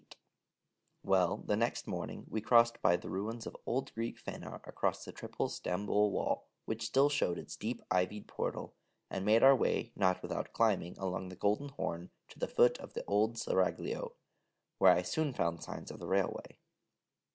Well, the next morning we crossed by the ruins of old Greek Phanar across the triple Stamboul wall, which still showed its deep ivied portal, and made our way, not without climbing, along the Golden Horn to the foot of the Old Seraglio, where I soon found signs of the railway.